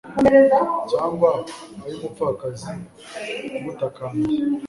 cyangwa ay'umupfakazi umutakambiye